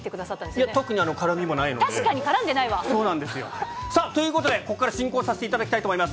そうなんですよ。ということでここから進行させていただきたいと思います。